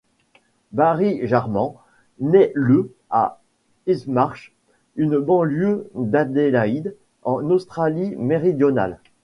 Barry Jarman naît le à Hindmarsh, une banlieue d'Adélaïde, en Australie-Méridionale.